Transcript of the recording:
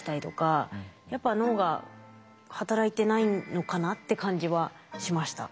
やっぱ脳が働いてないのかなって感じはしました。